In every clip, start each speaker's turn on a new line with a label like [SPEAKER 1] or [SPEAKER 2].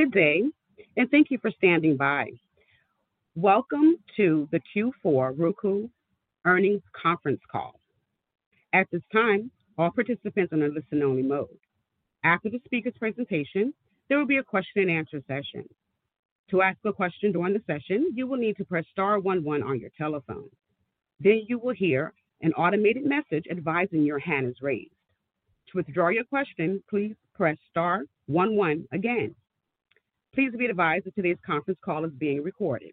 [SPEAKER 1] Good day, and thank you for standing by. Welcome to the Q4 Roku Earnings conference call. At this time, all participants are in listen-only mode. After the speaker's presentation, there will be a question-and-answer session. To ask a question during the session, you will need to press star one one on your telephone. You will hear an automated message advising your hand is raised. To withdraw your question, please press star one one again. Please be advised that today's conference call is being recorded.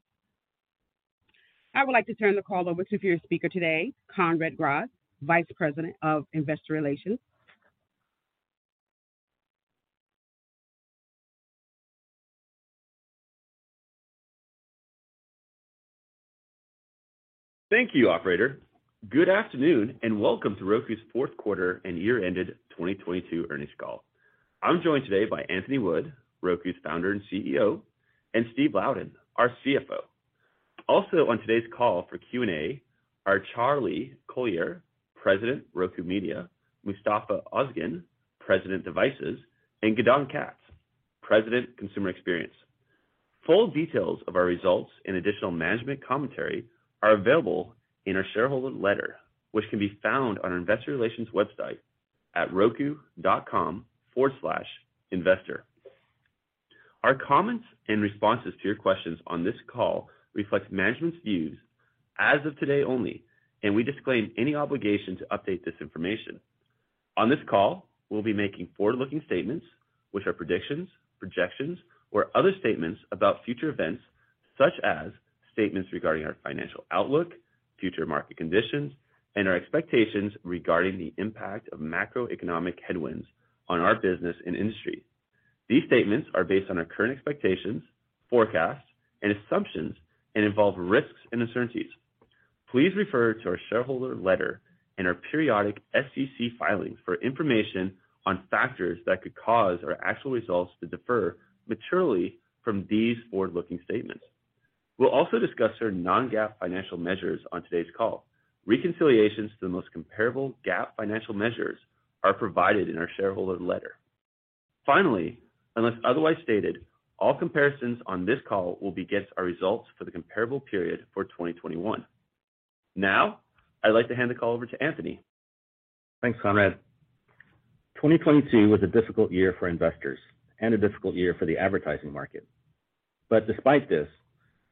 [SPEAKER 1] I would like to turn the call over to your speaker today, Conrad Grodd, Vice President of Investor Relations.
[SPEAKER 2] Thank you, operator. Good afternoon, welcome to Roku's fourth quarter and year-ended 2022 earnings call. I'm joined today by Anthony Wood, Roku's Founder and CEO, and Steve Louden, our CFO. Also on today's call for Q&A are Charlie Collier, President, Roku Media, Mustafa Ozgen, President, Devices, and Gidon Katz, President, Consumer Experience. Full details of our results and additional management commentary are available in our shareholder letter, which can be found on our investor relations website at roku.com/investor. Our comments and responses to your questions on this call reflect management's views as of today only, we disclaim any obligation to update this information. On this call, we'll be making forward-looking statements, which are predictions, projections, or other statements about future events, such as statements regarding our financial outlook, future market conditions, and our expectations regarding the impact of macroeconomic headwinds on our business and industry. These statements are based on our current expectations, forecasts, and assumptions, and involve risks and uncertainties. Please refer to our shareholder letter and our periodic SEC filings for information on factors that could cause our actual results to differ materially from these forward-looking statements. We'll also discuss our non-GAAP financial measures on today's call. Reconciliations to the most comparable GAAP financial measures are provided in our shareholder letter. Unless otherwise stated, all comparisons on this call will be against our results for the comparable period for 2021. I'd like to hand the call over to Anthony.
[SPEAKER 3] Thanks, Conrad. 2022 was a difficult year for investors and a difficult year for the advertising market. Despite this,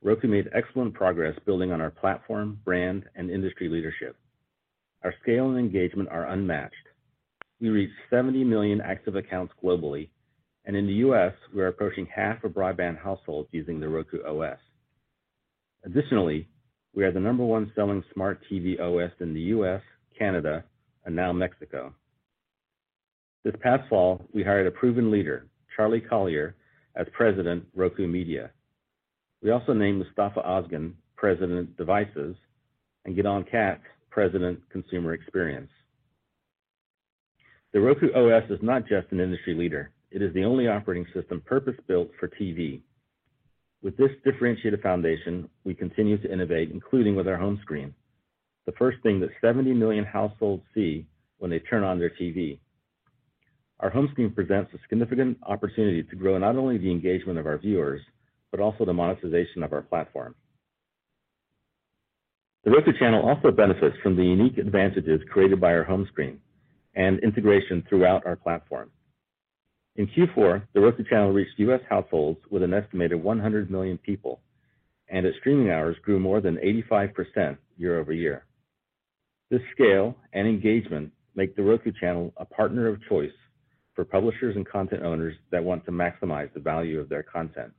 [SPEAKER 3] Roku made excellent progress building on our platform, brand, and industry leadership. Our scale and engagement are unmatched. We reached 70 million active accounts globally, and in the U.S., we are approaching half of broadband households using the Roku OS. Additionally, we are the number one selling smart TV OS in the U.S., Canada, and now Mexico. This past fall, we hired a proven leader, Charlie Collier, as President, Roku Media. We also named Mustafa Ozgen, President, Devices, and Gidon Katz, President, Consumer Experience. The Roku OS is not just an industry leader, it is the only operating system purpose-built for TV. With this differentiated foundation, we continue to innovate, including with our home screen, the first thing that 70 million households see when they turn on their TV. Our home screen presents a significant opportunity to grow not only the engagement of our viewers, but also the monetization of our platform. The Roku Channel also benefits from the unique advantages created by our home screen and integration throughout our platform. In Q4, The Roku Channel reached U.S. households with an estimated 100 million people, and its streaming hours grew more than 85% year-over-year. This scale and engagement make The Roku Channel a partner of choice for publishers and content owners that want to maximize the value of their content.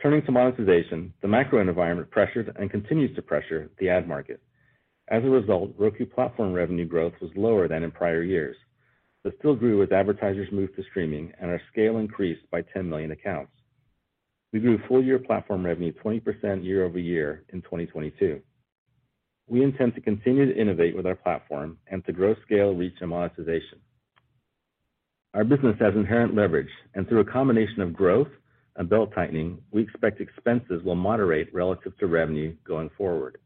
[SPEAKER 3] Turning to monetization, the macro environment pressured and continues to pressure the ad market. As a result, Roku platform revenue growth was lower than in prior years, but still grew as advertisers moved to streaming and our scale increased by 10 million accounts. We grew full year platform revenue 20% year-over-year in 2022. We intend to continue to innovate with our platform and to grow scale, reach, and monetization. Our business has inherent leverage, and through a combination of growth and belt-tightening, we expect expenses will moderate relative to revenue going forward.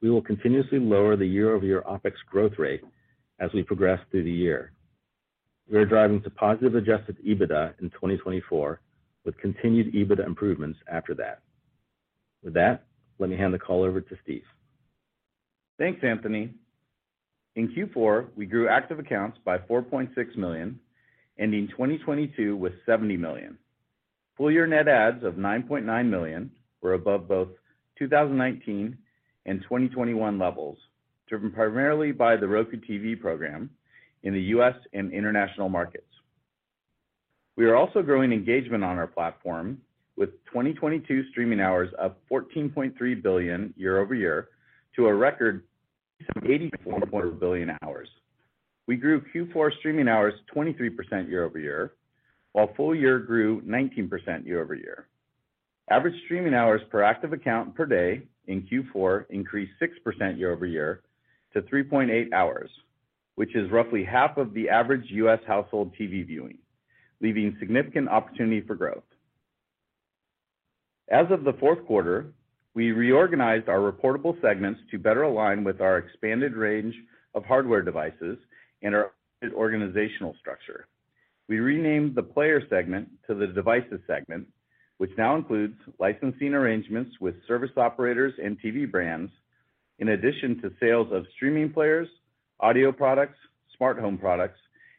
[SPEAKER 3] We will continuously lower the year-over-year OpEx growth rate as we progress through the year. We are driving to positive adjusted EBITDA in 2024, with continued EBITDA improvements after that. With that, let me hand the call over to Steve.
[SPEAKER 4] Thanks, Anthony. In Q4, we grew active accounts by 4.6 million, ending 2022 with 70 million. Full year net adds of 9.9 million were above both 2019 and 2021 levels, driven primarily by the Roku TV program in the U.S. and international markets. We are also growing engagement on our platform with 2022 streaming hours up 14.3 billion year-over-year to a record 84 point billion hours. We grew Q4 streaming hours 23% year-over-year, while full year grew 19% year-over-year. Average streaming hours per active account per day in Q4 increased 6% year-over-year to 3.8 hours, which is roughly half of the average U.S. household TV viewing, leaving significant opportunity for growth. As of the fourth quarter, we reorganized our reportable segments to better align with our expanded range of hardware devices and our organizational structure. We renamed the player segment to the devices segment, which now includes licensing arrangements with service operators and TV brands, in addition to sales of streaming players, audio products, smart home products,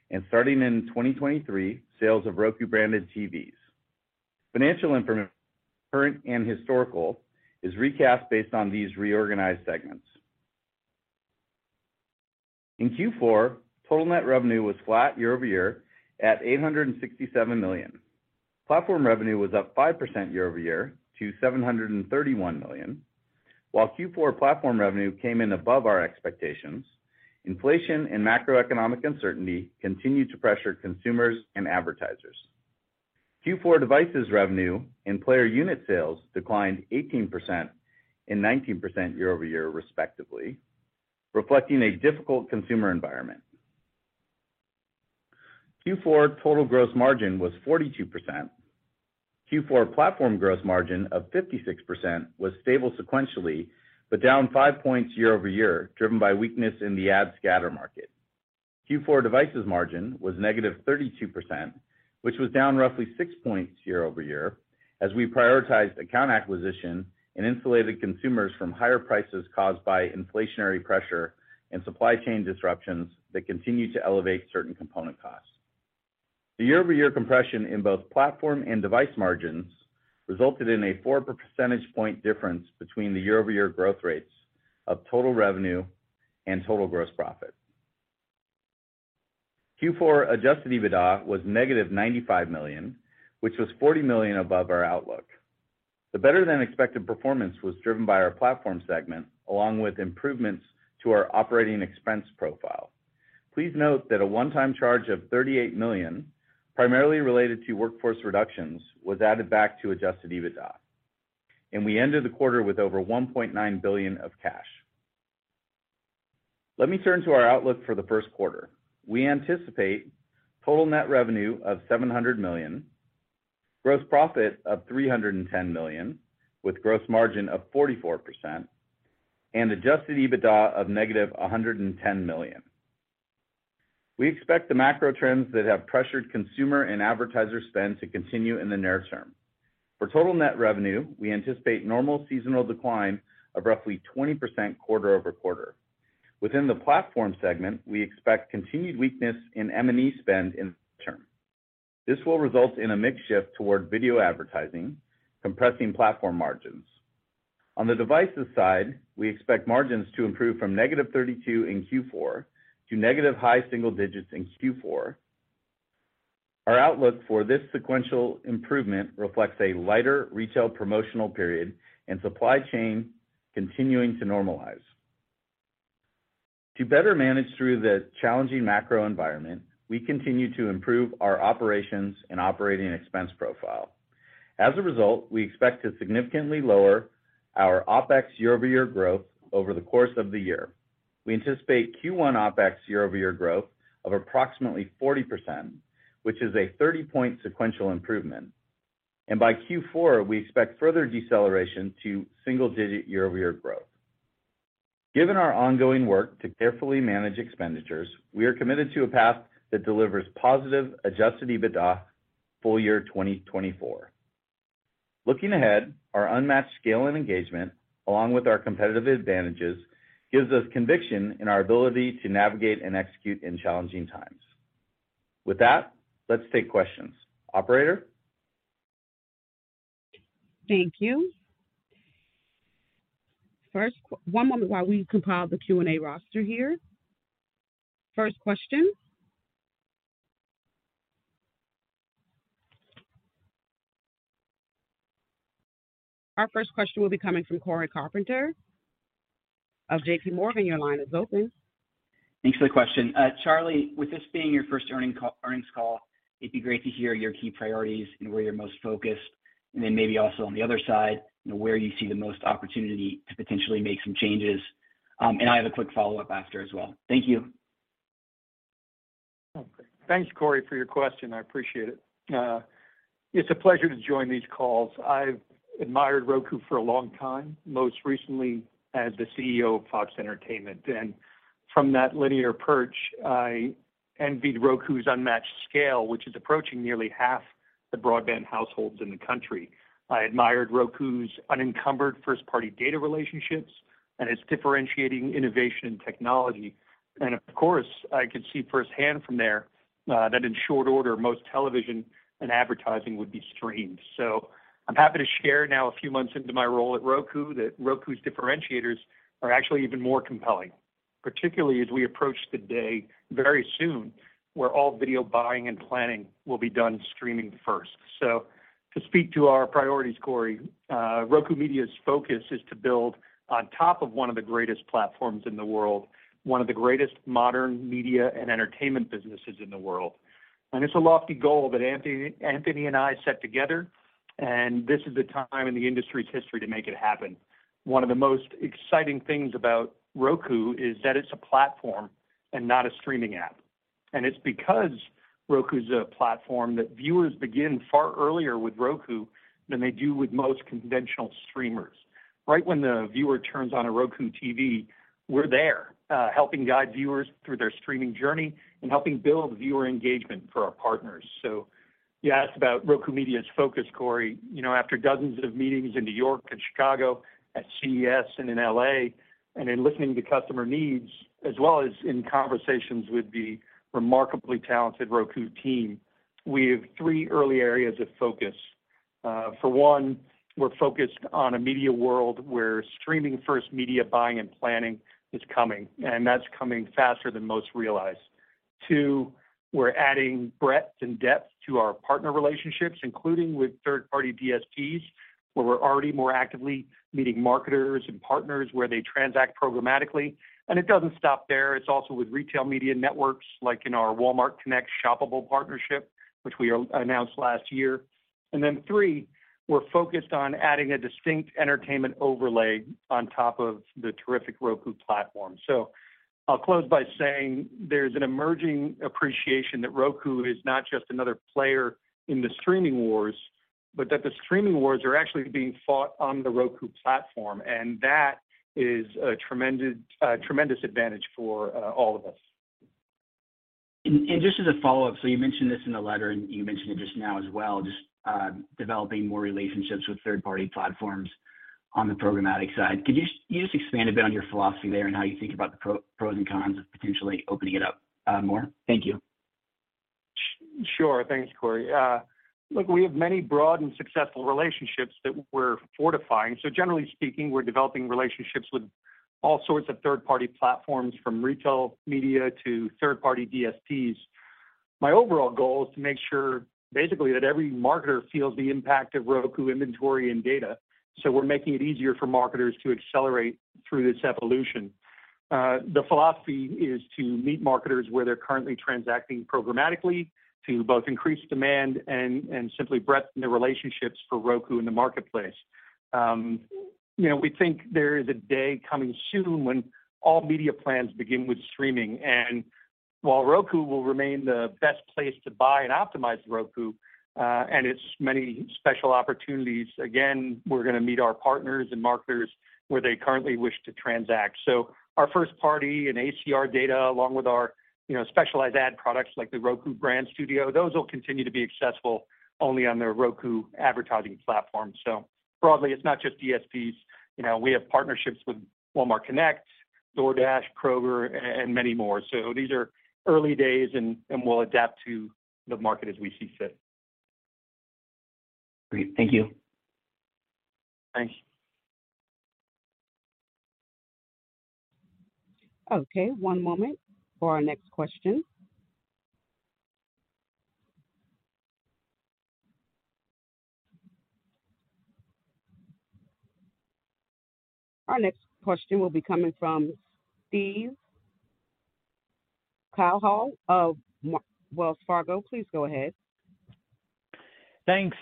[SPEAKER 4] and starting in 2023, sales of Roku branded TVs. Financial information, current and historical, is recast based on these reorganized segments. In Q4, total net revenue was flat year-over-year at $867 million. Platform revenue was up 5% year-over-year to $731 million. While Q4 platform revenue came in above our expectations, inflation and macroeconomic uncertainty continued to pressure consumers and advertisers. Q4 devices revenue and player unit sales declined 18% and 19% year-over-year respectively, reflecting a difficult consumer environment. Q4 total gross margin was 42%. Q4 platform gross margin of 56% was stable sequentially, but down 5 points year-over-year, driven by weakness in the ad scatter market. Q4 devices margin was negative 32%, which was down roughly six points year-over-year as we prioritized account acquisition and insulated consumers from higher prices caused by inflationary pressure and supply chain disruptions that continue to elevate certain component costs. The year-over-year compression in both platform and device margins resulted in a four percentage point difference between the year-over-year growth rates of total revenue and total gross profit. Q4 adjusted EBITDA was negative $95 million, which was $40 million above our outlook. The better than expected performance was driven by our platform segment, along with improvements to our operating expense profile. Please note that a one-time charge of $38 million, primarily related to workforce reductions, was added back to adjusted EBITDA. We ended the quarter with over $1.9 billion of cash. Let me turn to our outlook for the first quarter. We anticipate total net revenue of $700 million, gross profit of $310 million, with gross margin of 44%, and adjusted EBITDA of negative $110 million. We expect the macro trends that have pressured consumer and advertiser spend to continue in the near term. For total net revenue, we anticipate normal seasonal decline of roughly 20% quarter-over-quarter. Within the platform segment, we expect continued weakness in M&E spend in the near term. This will result in a mix shift toward video advertising, compressing platform margins. On the devices side, we expect margins to improve from -32% in Q4 to -high single digits% in Q4. Our outlook for this sequential improvement reflects a lighter retail promotional period and supply chain continuing to normalize. To better manage through the challenging macro environment, we continue to improve our operations and operating expense profile. As a result, we expect to significantly lower our OpEx year-over-year growth over the course of the year. We anticipate Q1 OpEx year-over-year growth of approximately 40%, which is a 30-point sequential improvement. By Q4, we expect further deceleration to single-digit year-over-year growth. Given our ongoing work to carefully manage expenditures, we are committed to a path that delivers positive adjusted EBITDA full year 2024. Looking ahead, our unmatched scale and engagement, along with our competitive advantages, gives us conviction in our ability to navigate and execute in challenging times. With that, let's take questions. Operator?
[SPEAKER 1] Thank you. one moment while we compile the Q&A roster here. First question. Our first question will be coming from Cory Carpenter of JPMorgan. Your line is open.
[SPEAKER 5] Thanks for the question. Charlie, with this being your first earnings call, it'd be great to hear your key priorities and where you're most focused, then maybe also on the other side, you know, where you see the most opportunity to potentially make some changes. I have a quick follow-up after as well. Thank you.
[SPEAKER 6] Okay. Thanks, Cory, for your question. I appreciate it. It's a pleasure to join these calls. I've admired Roku for a long time, most recently as the CEO of Fox Entertainment. From that linear perch, I envied Roku's unmatched scale, which is approaching nearly half the broadband households in the country. I admired Roku's unencumbered first-party data relationships and its differentiating innovation and technology. Of course, I could see firsthand from there that in short order, most television and advertising would be streamed. I'm happy to share now a few months into my role at Roku that Roku's differentiators are actually even more compelling, particularly as we approach the day very soon where all video buying and planning will be done streaming first. To speak to our priorities, Cory, Roku Media's focus is to build on top of one of the greatest platforms in the world, one of the greatest modern media and entertainment businesses in the world. It's a lofty goal that Anthony and I set together, and this is the time in the industry's history to make it happen. One of the most exciting things about Roku is that it's a platform and not a streaming app. And it's because Roku's a platform that viewers begin far earlier with Roku than they do with most conventional streamers. Right when the viewer turns on a Roku TV, we're there, helping guide viewers through their streaming journey and helping build viewer engagement for our partners. You asked about Roku Media's focus, Cory. You know, after dozens of meetings in New York and Chicago, at CES and in L.A., and in listening to customer needs, as well as in conversations with the remarkably talented Roku team, we have three early areas of focus. For one, we're focused on a media world where streaming-first media buying and planning is coming, and that's coming faster than most realize. Two, we're adding breadth and depth to our partner relationships, including with third-party DSPs, where we're already more actively meeting marketers and partners where they transact programmatically. It doesn't stop there. It's also with retail media networks, like in our Walmart Connect shoppable partnership, which we announced last year. Three, we're focused on adding a distinct entertainment overlay on top of the terrific Roku platform. I'll close by saying there's an emerging appreciation that Roku is not just another player in the streaming wars, but that the streaming wars are actually being fought on the Roku platform, and that is a tremendous advantage for all of us.
[SPEAKER 5] Just as a follow-up, so you mentioned this in the letter, and you mentioned it just now as well, just developing more relationships with third-party platforms on the programmatic side. Can you just expand a bit on your philosophy there and how you think about the pros and cons of potentially opening it up more? Thank you.
[SPEAKER 6] Sure. Thanks, Cory. Look, we have many broad and successful relationships that we're fortifying. Generally speaking, we're developing relationships with all sorts of third-party platforms, from retail media to third-party DSPs. My overall goal is to make sure, basically, that every marketer feels the impact of Roku inventory and data, so we're making it easier for marketers to accelerate through this evolution. The philosophy is to meet marketers where they're currently transacting programmatically to both increase demand and simply breadth in the relationships for Roku in the marketplace. You know, we think there is a day coming soon when all media plans begin with streaming. While Roku will remain the best place to buy and optimize Roku, and its many special opportunities, again, we're gonna meet our partners and marketers where they currently wish to transact. Our first party and ACR data, along with our, you know, specialized ad products like the Roku Brand Studio, those will continue to be accessible only on the Roku advertising platform. Broadly, it's not just DSPs. You know, we have partnerships with Walmart Connect, DoorDash, Kroger, and many more. These are early days and we'll adapt to the market as we see fit.
[SPEAKER 5] Great. Thank you.
[SPEAKER 6] Thanks.
[SPEAKER 1] Okay, one moment for our next question. Our next question will be coming from Steven Cahall of Wells Fargo. Please go ahead.
[SPEAKER 7] Thanks.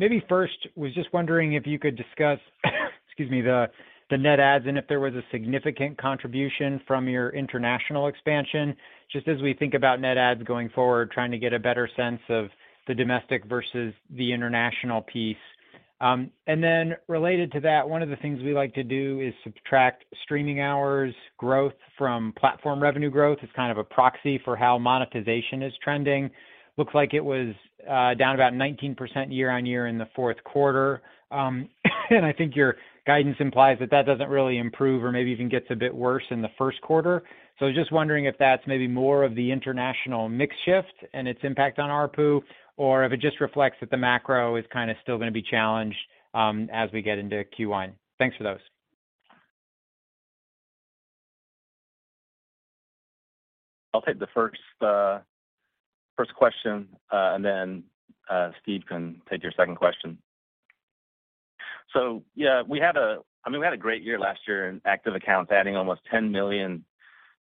[SPEAKER 7] Maybe first, was just wondering if you could discuss, excuse me, the net adds, and if there was a significant contribution from your international expansion, just as we think about net adds going forward, trying to get a better sense of the domestic versus the international piece. Related to that, one of the things we like to do is subtract streaming hours growth from platform revenue growth. It's kind of a proxy for how monetization is trending. Looks like it was down about 19% year-over-year in the fourth quarter. I think your guidance implies that that doesn't really improve or maybe even gets a bit worse in the first quarter. I was just wondering if that's maybe more of the international mix shift and its impact on ARPU, or if it just reflects that the macro is kind of still going to be challenged as we get into Q1? Thanks for those.
[SPEAKER 6] I'll take the first question, and then Steve can take your second question. Yeah, we had a, I mean, we had a great year last year in active accounts, adding almost 10 million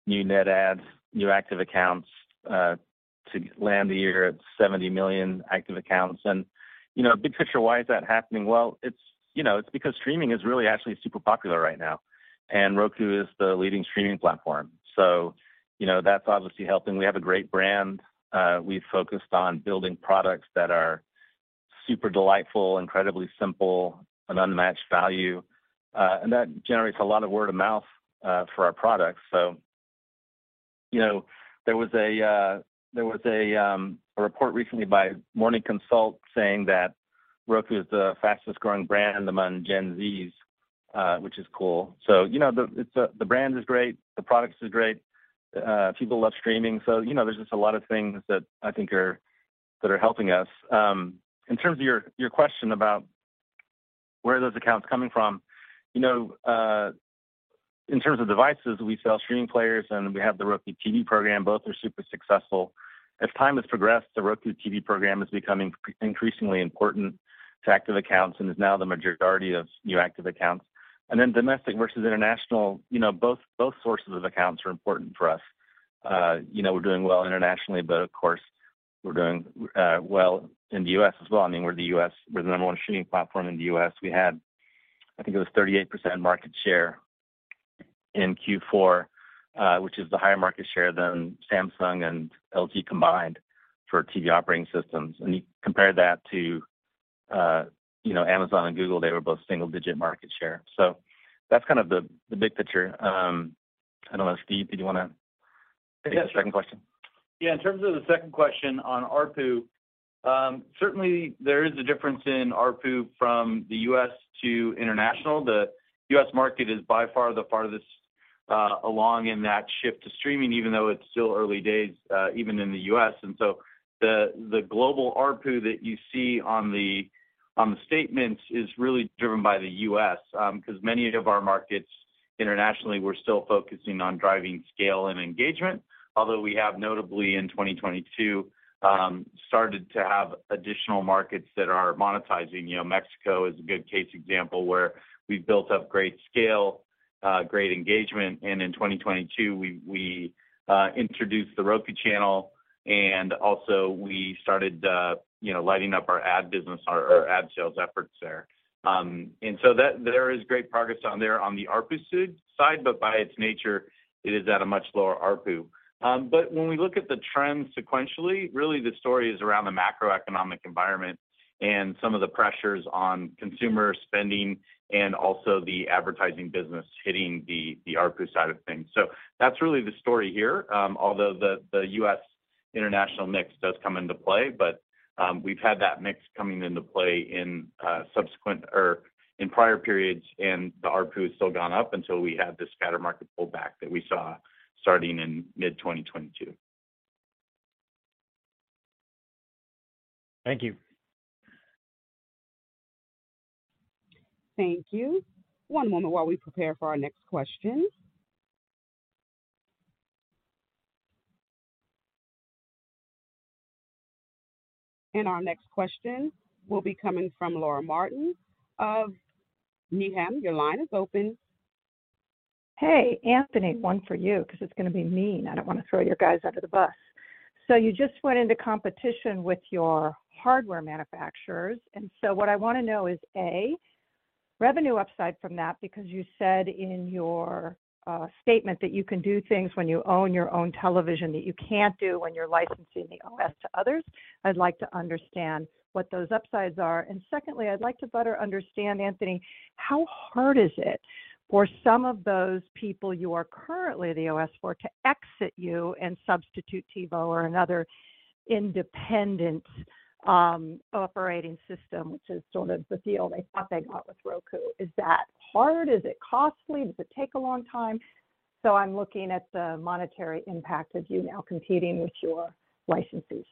[SPEAKER 6] new net adds, new active accounts, to land the year at 70 million active accounts. You know, big picture, why is that happening? Well, it's, you know, it's because streaming is really actually super popular right now, and Roku is the leading streaming platform. You know, that's obviously helping. We have a great brand. We've focused on building products that are super delightful, incredibly simple and unmatched value, and that generates a lot of word of mouth for our products. You know, there was a report recently by Morning Consult saying that Roku is the fastest-growing brand among Gen Z, which is cool. You know, the brand is great, the products are great, people love streaming, you know, there's just a lot of things that I think are helping us. In terms of your question about where are those accounts coming from, you know, in terms of devices, we sell streaming players, and we have the Roku TV program. Both are super successful. As time has progressed, the Roku TV program is becoming increasingly important to active accounts and is now the majority of new active accounts. Domestic versus international, you know, both sources of accounts are important for us. You know, we're doing well internationally, of course, we're doing, well in the U.S. as well. I mean, we're the U.S., we're the number one streaming platform in the U.S. I think it was 38% market share in Q4, which is the higher market share than Samsung and LG combined for TV operating systems. You compare that to, you know, Amazon and Google, they were both single-digit market share. That's kind of the big picture. I don't know, Steve, did you wanna take the second question?
[SPEAKER 4] Yeah. In terms of the second question on ARPU, certainly there is a difference in ARPU from the U.S. to international. The U.S. market is by far the farthest along in that shift to streaming, even though it's still early days, even in the U.S. The global ARPU that you see on the statements is really driven by the U.S., 'cause many of our markets internationally, we're still focusing on driving scale and engagement. We have notably in 2022 started to have additional markets that are monetizing. You know, Mexico is a good case example where we've built up great scale, great engagement, in 2022 we introduced The Roku Channel. Also we started, you know, lighting up our ad business or our ad sales efforts there. There is great progress on there on the ARPU side, but by its nature it is at a much lower ARPU. When we look at the trends sequentially, really the story is around the macroeconomic environment and some of the pressures on consumer spending and also the advertising business hitting the ARPU side of things. That's really the story here, although the U.S. international mix does come into play. We've had that mix coming into play in subsequent or in prior periods, and the ARPU has still gone up until we had this scatter market pullback that we saw starting in mid-2022.
[SPEAKER 7] Thank you.
[SPEAKER 1] Thank you. One moment while we prepare for our next question. Our next question will be coming from Laura Martin of Needham. Your line is open.
[SPEAKER 8] Hey, Anthony, one for you 'cause it's gonna be mean. I don't wanna throw your guys under the bus. You just went into competition with your hardware manufacturers, what I wanna know is, A, revenue upside from that, because you said in your statement that you can do things when you own your own television that you can't do when you're licensing the OS to others. I'd like to understand what those upsides are. Secondly, I'd like to better understand, Anthony, how hard is it for some of those people you are currently the OS for to exit you and substitute TiVo or another independent operating system, which is sort of the deal they thought they got with Roku. Is that hard? Is it costly? Does it take a long time? I'm looking at the monetary impact of you now competing with your licensees.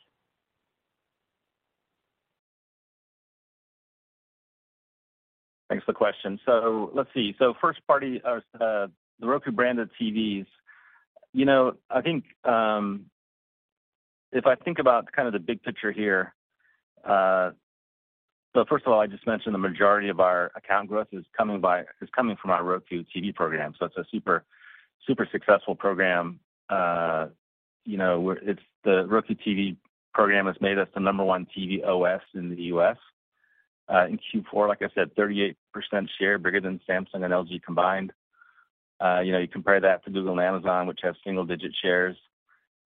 [SPEAKER 3] Thanks for the question. Let's see. First party, the Roku branded TVs. You know, I think, if I think about kind of the big picture here. First of all, I just mentioned the majority of our account growth is coming from our Roku TV program. It's a super successful program. You know, the Roku TV program has made us the number one TV OS in the U.S. In Q4, like I said, 38% share, bigger than Samsung and LG combined. You know, you compare that to Google and Amazon, which have single-digit shares,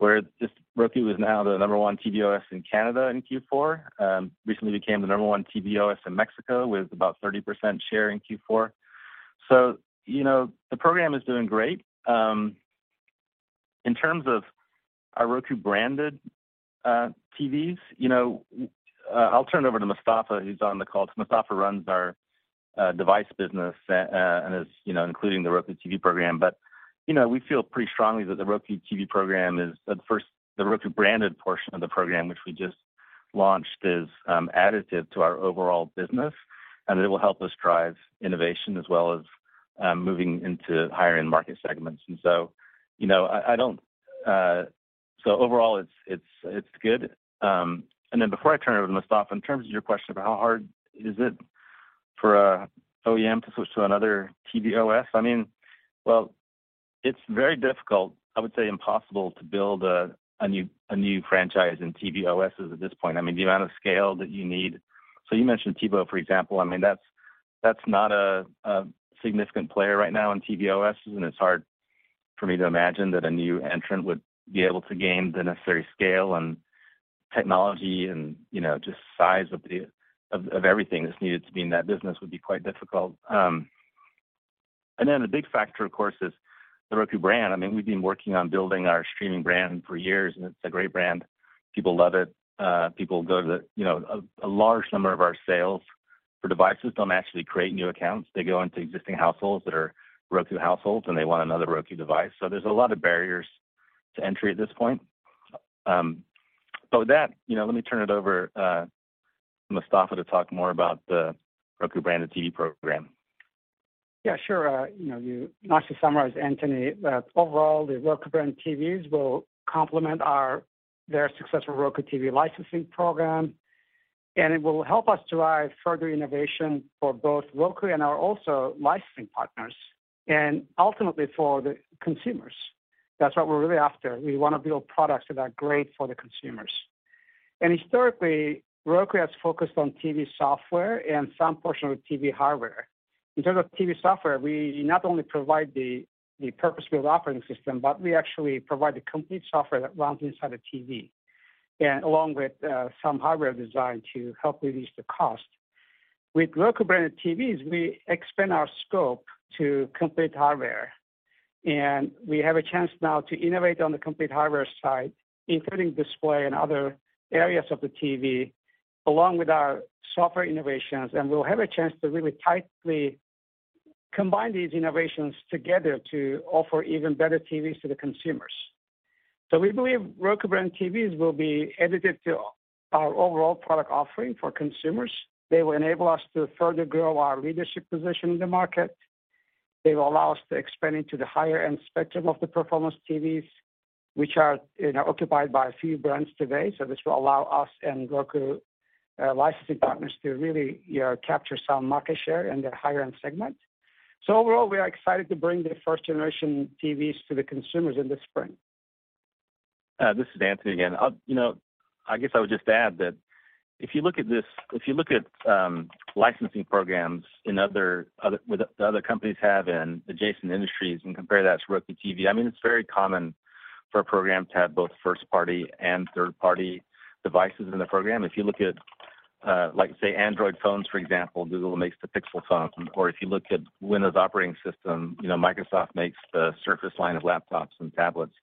[SPEAKER 3] where just Roku is now the number one TV OS in Canada in Q4. Recently became the number one TV OS in Mexico with about 30% share in Q4. You know, the program is doing great. In terms of our Roku branded TVs, you know, I'll turn it over to Mustafa, who's on the call. Mustafa runs our device business and is, you know, including the Roku TV program. You know, we feel pretty strongly that the Roku TV program is at first the Roku branded portion of the program, which we just launched, is additive to our overall business, and it will help us drive innovation as well as moving into higher end market segments. You know, overall it's good. Before I turn it over to Mustafa, in terms of your question about how hard is it for a OEM to switch to another TV OS, I mean, well, it's very difficult, I would say impossible, to build a new franchise in TV OSs at this point. I mean, the amount of scale that you need. You mentioned TiVo, for example. I mean, that's not a significant player right now in TV OSs, and it's hard for me to imagine that a new entrant would be able to gain the necessary scale and technology and, you know, just size of everything that's needed to be in that business would be quite difficult. The big factor, of course, is the Roku brand. I mean, we've been working on building our streaming brand for years. It's a great brand. People love it. People go to the... You know, a large number of our sales for devices don't actually create new accounts. They go into existing households that are Roku households, and they want another Roku device. There's a lot of barriers to entry at this point. With that, you know, let me turn it over to Mustafa to talk more about the Roku branded TV program.
[SPEAKER 9] Yeah, sure. You know, you nicely summarized, Anthony, that overall the Roku brand TVs will complement their successful Roku TV licensing program, and it will help us drive further innovation for both Roku and our also licensing partners and ultimately for the consumers. That's what we're really after. We wanna build products that are great for the consumers. Historically, Roku has focused on TV software and some portion of TV hardware. In terms of TV software, we not only provide the purpose-built operating system, but we actually provide the complete software that runs inside a TV and along with some hardware design to help reduce the cost. With Roku-branded TVs, we expand our scope to complete hardware, and we have a chance now to innovate on the complete hardware side, including display and other areas of the TV, along with our software innovations. We'll have a chance to really tightly combine these innovations together to offer even better TVs to the consumers. We believe Roku-brand TVs will be additive to our overall product offering for consumers. They will enable us to further grow our leadership position in the market. They will allow us to expand into the higher-end spectrum of the performance TVs, which are, you know, occupied by a few brands today. This will allow us and Roku licensing partners to really, you know, capture some market share in the higher-end segment. Overall, we are excited to bring the first generation TVs to the consumers in the spring.
[SPEAKER 3] This is Anthony again. You know, I guess I would just add that if you look at this, if you look at licensing programs in that other companies have in adjacent industries and compare that to Roku TV, I mean, it's very common for a program to have both first-party and third-party devices in the program. If you look at, like say, Android phones, for example, Google makes the Pixel phones. If you look at Windows operating system, you know, Microsoft makes the Surface line of laptops and tablets.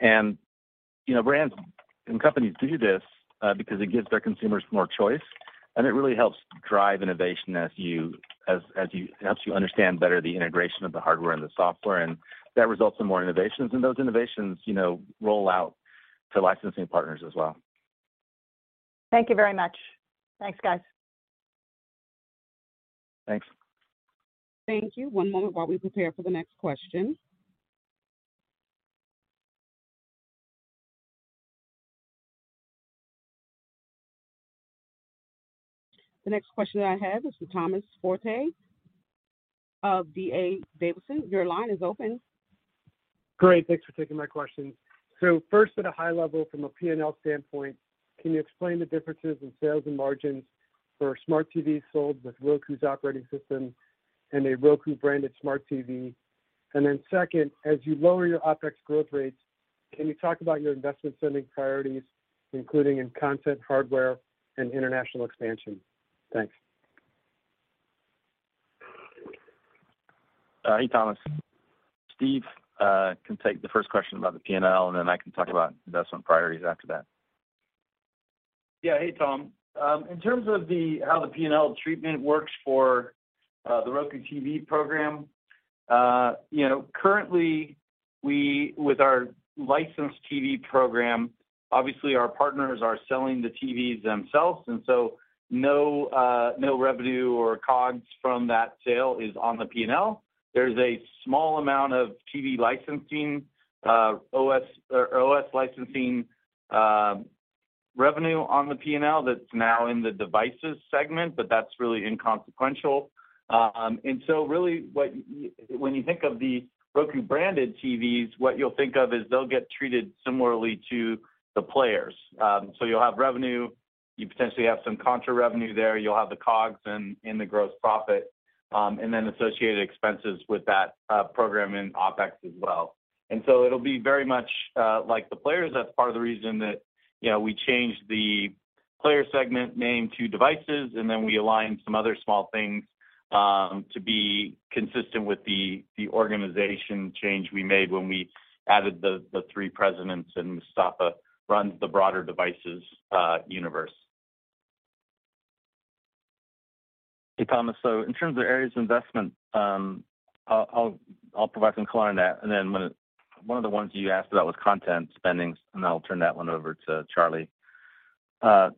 [SPEAKER 3] You know, brands and companies do this because it gives their consumers more choice, and it really helps drive innovation as you, it helps you understand better the integration of the hardware and the software, and that results in more innovations. Those innovations, you know, roll out to licensing partners as well.
[SPEAKER 8] Thank you very much. Thanks, guys.
[SPEAKER 3] Thanks.
[SPEAKER 1] Thank you. One moment while we prepare for the next question. The next question that I have is with Thomas Forte of D.A. Davidson. Your line is open.
[SPEAKER 10] Great. Thanks for taking my question. First, at a high level from a P&L standpoint, can you explain the differences in sales and margins for smart TVs sold with Roku's operating system and a Roku-branded smart TV? Second, as you lower your OpEx growth rates, can you talk about your investment spending priorities, including in content, hardware, and international expansion? Thanks.
[SPEAKER 3] Hey, Thomas. Steve can take the first question about the P&L, then I can talk about investment priorities after that.
[SPEAKER 4] Yeah. Hey, Tom. In terms of the how the P&L treatment works for the Roku TV program, you know, currently we, with our licensed TV program, obviously our partners are selling the TVs themselves, no revenue or COGS from that sale is on the P&L. There's a small amount of TV licensing, OS or OS licensing, revenue on the P&L that's now in the devices segment, that's really inconsequential. Really when you think of the Roku-branded TVs, what you'll think of is they'll get treated similarly to the players. You'll have revenue. You potentially have some contra revenue there. You'll have the COGS and the gross profit, associated expenses with that program in OpEx as well. It'll be very much like the players. That's part of the reason that, you know, we changed the player segment name to devices, and then we aligned some other small things, to be consistent with the organization change we made when we added the three presidents, and Mustafa runs the broader devices universe.
[SPEAKER 3] Hey, Thomas. In terms of areas of investment, I'll provide some color on that. One of the ones you asked about was content spendings, and then I'll turn that one over to Charlie. The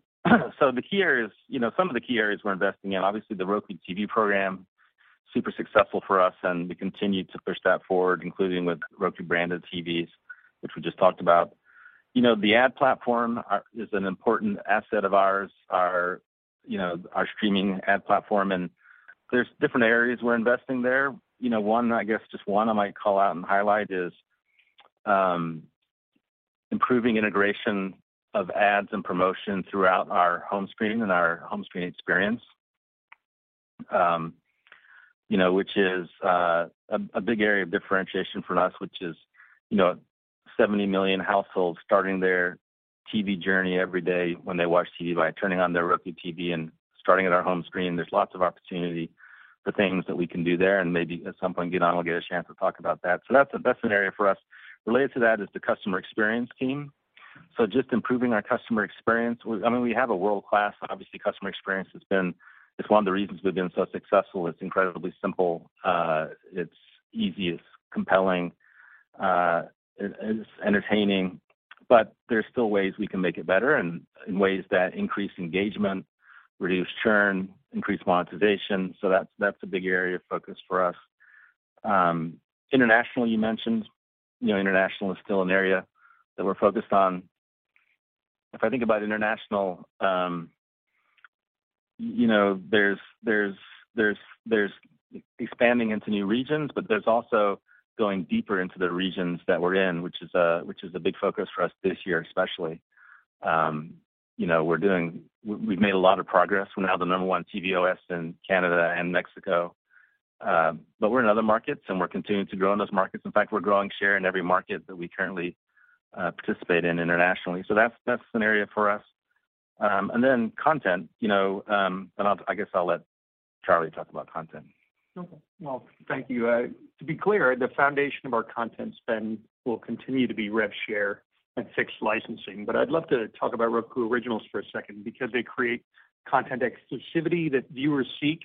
[SPEAKER 3] key areas, you know, some of the key areas we're investing in, obviously the Roku TV program, super successful for us, and we continue to push that forward, including with Roku-branded TVs, which we just talked about. You know, the ad platform is an important asset of ours. You know, our streaming ad platform, there's different areas we're investing there. You know, one, I guess, just one I might call out and highlight is, improving integration of ads and promotion throughout our home screen and our home screen experience, you know, which is a big area of differentiation for us, which is, you know, 70 million households starting their TV journey every day when they watch TV by turning on their Roku TV and starting at our home screen. There's lots of opportunity for things that we can do there, and maybe at some point, Gidon will get a chance to talk about that. That's an area for us. Related to that is the customer experience team. Just improving our customer experience. I mean, we have a world-class, obviously, customer experience that's been. It's one of the reasons we've been so successful. It's incredibly simple. It's easy. It's compelling. It's entertaining. There's still ways we can make it better and in ways that increase engagement, reduce churn, increase monetization. That's a big area of focus for us. International, you mentioned. You know, international is still an area that we're focused on. If I think about international, you know, there's expanding into new regions, but there's also going deeper into the regions that we're in, which is a big focus for us this year, especially. You know, we've made a lot of progress. We're now the number one TV OS in Canada and Mexico. We're in other markets, and we're continuing to grow in those markets. In fact, we're growing share in every market that we currently participate in internationally. That's an area for us. Content, you know, I guess I'll let Charlie talk about content.
[SPEAKER 6] Okay. Well, thank you. To be clear, the foundation of our content spend will continue to be rev share and fixed licensing. I'd love to talk about Roku Originals for a second because they create content exclusivity that viewers seek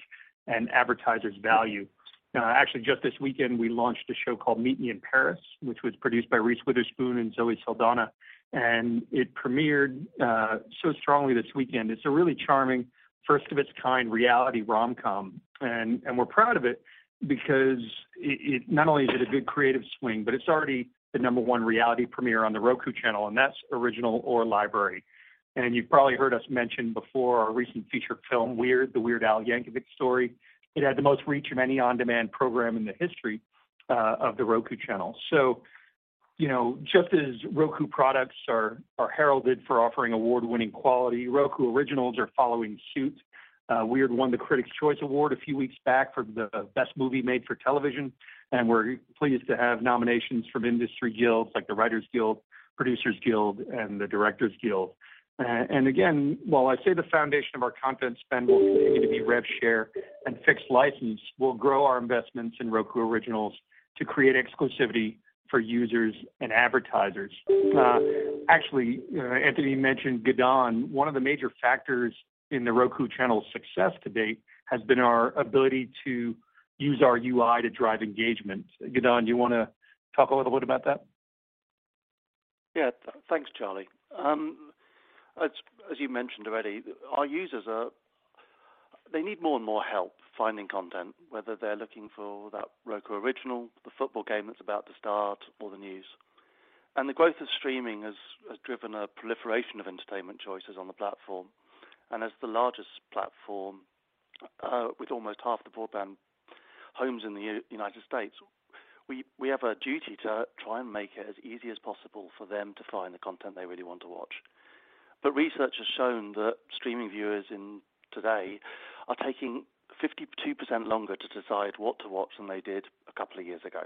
[SPEAKER 6] and advertisers value. actually, just this weekend, we launched a show called Meet Me in Paris, which was produced by Reese Witherspoon and Zoë Saldaña, and it premiered so strongly this weekend. It's a really charming first of its kind reality romcom, and we're proud of it because it not only is it a good creative swing, but it's already the number one reality premiere on The Roku Channel, and that's original or library. You've probably heard us mention before our recent feature film, Weird: The Al Yankovic Story. It had the most reach of any on-demand program in the history of The Roku Channel. You know, just as Roku products are heralded for offering award-winning quality, Roku Originals are following suit. Weird won the Critics Choice Award a few weeks back for the best movie made for television. We're pleased to have nominations from industry guilds like the Writers Guild, Producers Guild, and the Directors Guild. Again, while I say the foundation of our content spend will continue to be rev share and fixed license, we'll grow our investments in Roku Originals to create exclusivity for users and advertisers. Actually, Anthony mentioned Gidon. One of the major factors in The Roku Channel success to date has been our ability to use our UI to drive engagement. Gidon, do you wanna talk a little bit about that?
[SPEAKER 11] Thanks, Charlie. As you mentioned already, they need more and more help finding content, whether they're looking for that Roku Original, the football game that's about to start or the news. The growth of streaming has driven a proliferation of entertainment choices on the platform. As the largest platform, with almost half the broadband homes in the United States, we have a duty to try and make it as easy as possible for them to find the content they really want to watch. Research has shown that streaming viewers in today are taking 52% longer to decide what to watch than they did a couple of years ago.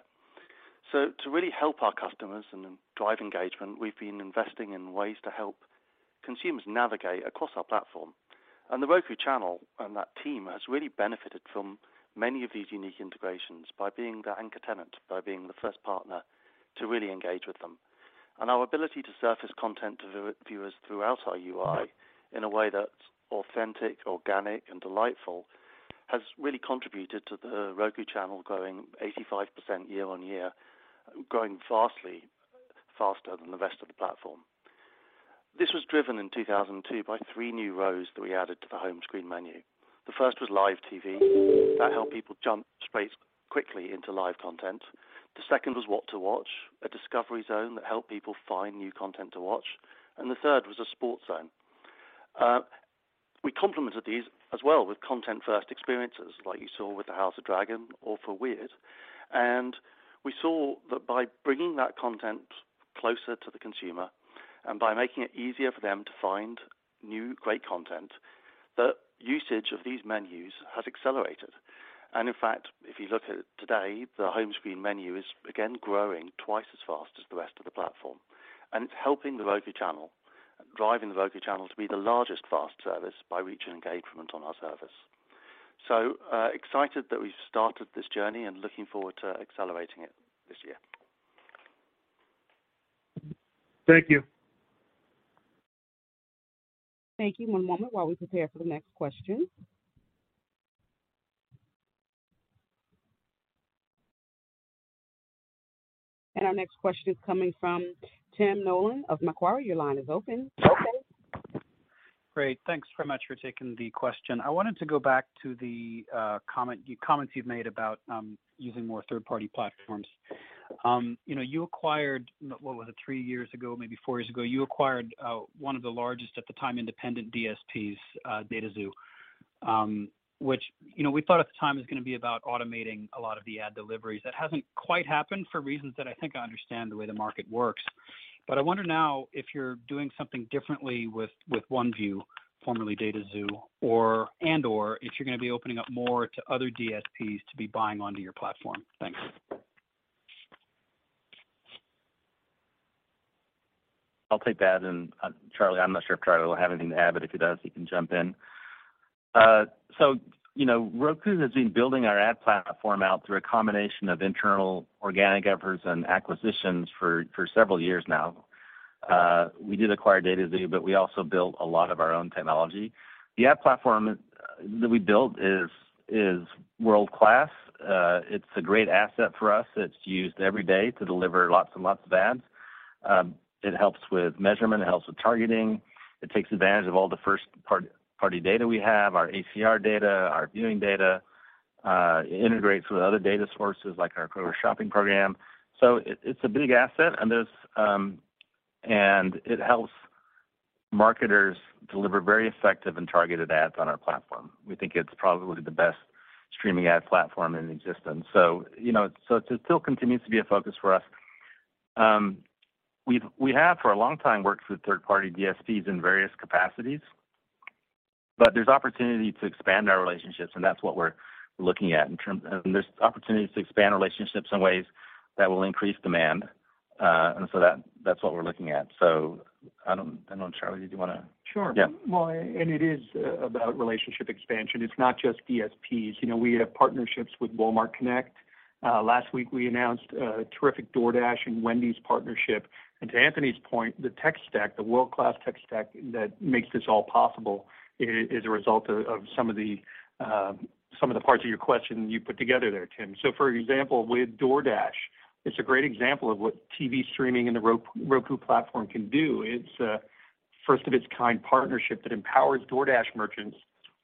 [SPEAKER 11] To really help our customers and drive engagement, we've been investing in ways to help consumers navigate across our platform. The Roku Channel and that team has really benefited from many of these unique integrations by being the anchor tenant, by being the first partner to really engage with them. Our ability to surface content to viewers throughout our UI in a way that's authentic, organic, and delightful has really contributed to The Roku Channel growing 85% year-over-year, growing vastly faster than the rest of the platform. This was driven in 2002 by three new rows that we added to the home screen menu. The first was Live TV. That helped people jump straight quickly into live content. The second was What to Watch, a discovery zone that helped people find new content to watch. The third was a sports zone. We complemented these as well with content-first experiences like you saw with the House of the Dragon or for Weird. We saw that by bringing that content closer to the consumer and by making it easier for them to find new, great content, the usage of these menus has accelerated. In fact, if you look at today, the home screen menu is again growing twice as fast as the rest of the platform. It's helping The Roku Channel, driving The Roku Channel to be the largest FAST service by reach and engagement on our service. Excited that we've started this journey and looking forward to accelerating it this year.
[SPEAKER 10] Thank you.
[SPEAKER 1] Thank you. One moment while we prepare for the next question. Our next question is coming from Tim Nollen of Macquarie. Your line is open.
[SPEAKER 12] Great. Thanks very much for taking the question. I wanted to go back to the comments you've made about using more third-party platforms. you know, you acquired, what was it? Three years ago, maybe four years ago, you acquired one of the largest at the time, independent DSPs, dataxu, which, you know, we thought at the time was gonna be about automating a lot of the ad deliveries. That hasn't quite happened for reasons that I think I understand the way the market works. I wonder now if you're doing something differently with OneView, formerly dataxu, or, and/or if you're gonna be opening up more to other DSPs to be buying onto your platform. Thanks.
[SPEAKER 3] I'll take that. Charlie, I'm not sure if Charlie will have anything to add, but if he does, he can jump in. You know, Roku has been building our ad platform out through a combination of internal organic efforts and acquisitions for several years now. We did acquire dataxu, but we also built a lot of our own technology. The ad platform that we built is world-class. It's a great asset for us. It's used every day to deliver lots and lots of ads. It helps with measurement. It helps with targeting. It takes advantage of all the first-party data we have, our ACR data, our viewing data. It integrates with other data sources like our shopping program. It's a big asset, and there's. It helps marketers deliver very effective and targeted ads on our platform. We think it's probably the best streaming ad platform in existence. You know, so it still continues to be a focus for us. We have for a long time worked with third-party DSPs in various capacities, but there's opportunity to expand our relationships, and that's what we're looking at. There's opportunities to expand relationships in ways that will increase demand. That's what we're looking at. I don't know, Charlie, did you wanna.
[SPEAKER 6] Sure.
[SPEAKER 3] Yeah.
[SPEAKER 6] It is about relationship expansion. It's not just DSPs. You know, we have partnerships with Walmart Connect. Last week we announced a terrific DoorDash and Wendy's partnership. To Anthony's point, the tech stack, the world-class tech stack that makes this all possible is a result of some of the parts of your question you put together there, Tim. For example, with DoorDash, it's a great example of what TV streaming and the Roku platform can do. It's a first of its kind partnership that empowers DoorDash merchants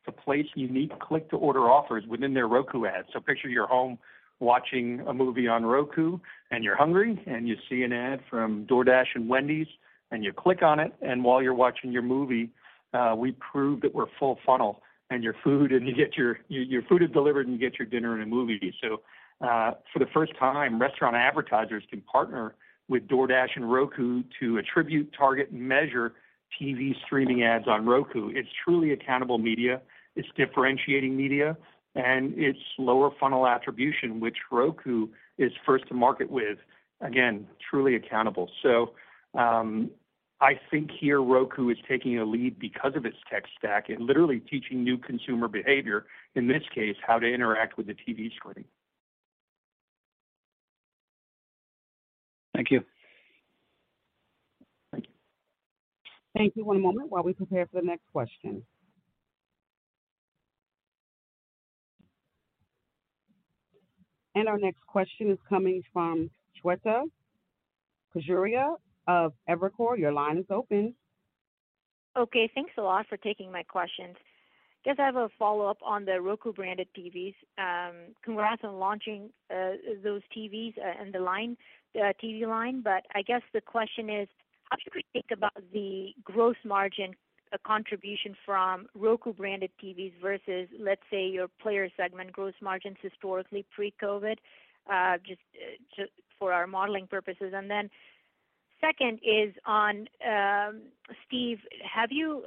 [SPEAKER 6] to place unique click-to-order offers within their Roku ads. Picture you're home watching a movie on Roku, and you're hungry, and you see an ad from DoorDash and Wendy's, and you click on it, and while you're watching your movie, we prove that we're full funnel and your food, and you get your food is delivered, and you get your dinner and a movie. For the first time, restaurant advertisers can partner with DoorDash and Roku to attribute, target, and measure TV streaming ads on Roku. It's truly accountable media, it's differentiating media, and it's lower funnel attribution, which Roku is first to market with, again, truly accountable. I think here Roku is taking a lead because of its tech stack and literally teaching new consumer behavior, in this case, how to interact with a TV screen.
[SPEAKER 12] Thank you.
[SPEAKER 6] Thank you.
[SPEAKER 1] Thank you. One moment while we prepare for the next question. Our next question is coming from Shweta Khajuria of Evercore. Your line is open.
[SPEAKER 13] Okay. Thanks a lot for taking my questions. Guess I have a follow-up on the Roku-branded TVs. Congrats on launching those TVs and the line TV line. I guess the question is, how should we think about the gross margin contribution from Roku-branded TVs versus, let's say, your player segment gross margins historically pre-COVID, just for our modeling purposes? Second is on, Steve, have you,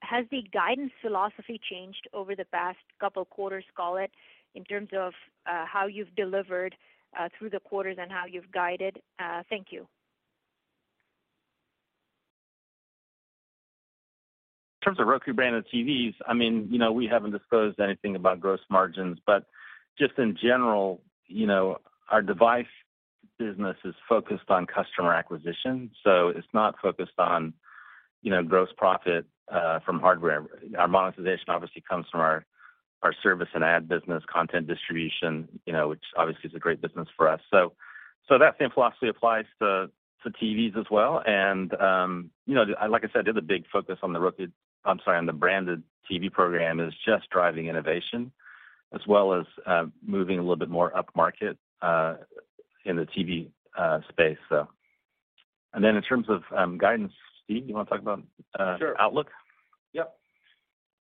[SPEAKER 13] has the guidance philosophy changed over the past two quarters, call it, in terms of how you've delivered through the quarters and how you've guided? Thank you.
[SPEAKER 3] In terms of Roku brand of TVs, I mean, you know, we haven't disclosed anything about gross margins. Just in general, you know, our device business is focused on customer acquisition, so it's not focused on, you know, gross profit from hardware. Our monetization obviously comes from our service and ad business, content distribution, you know, which obviously is a great business for us. That same philosophy applies to TVs as well. You know, like I said, the big focus on the Roku, I'm sorry, on the branded TV program is just driving innovation as well as moving a little bit more upmarket in the TV space, so. Then in terms of guidance, Steve, you wanna talk about?
[SPEAKER 4] Sure.
[SPEAKER 3] Outlook?
[SPEAKER 4] Yep.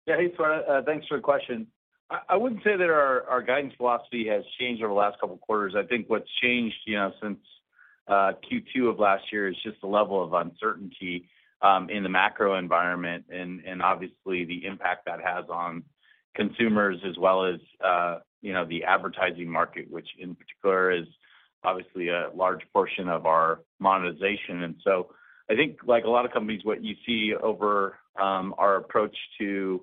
[SPEAKER 4] Yeah, hey, Shweta, thanks for the question. I wouldn't say that our guidance philosophy has changed over the last couple of quarters. I think what's changed, you know, since Q2 of last year is just the level of uncertainty in the macro environment and obviously the impact that has on consumers as well as, you know, the advertising market, which in particular is obviously a large portion of our monetization. I think like a lot of companies, what you see over our approach to